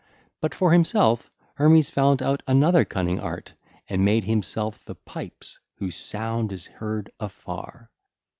But for himself Hermes found out another cunning art and made himself the pipes whose sound is heard afar.